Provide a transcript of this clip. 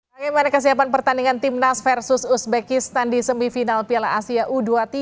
bagaimana kesiapan pertandingan timnas versus uzbekistan di semifinal piala asia u dua puluh tiga